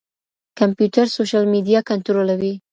کمپيوټر سوشل ميډيا کنټرولوي.